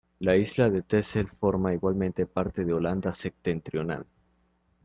La isla de Texel forma igualmente parte de Holanda Septentrional.